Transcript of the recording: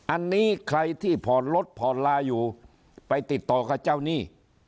อันนี้ใครที่ผ่อนรถผ่อนลาอยู่ไปติดต่อกับเจ้าหนี้